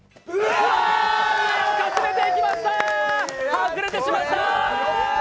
外れてしまった！